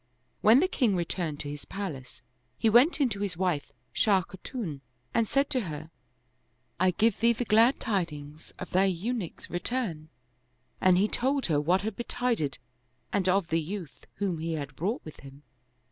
When the king returned to his palace, he went in to his wife Shah Kha tun and said to her, "I give thee the glad tidings of thine Eunuch's return"; and he told her what had be tided and of the youth whom he had brought with him.